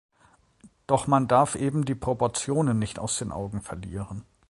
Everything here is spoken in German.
Doch man darf eben die Proportionen nicht aus den Augen verlieren.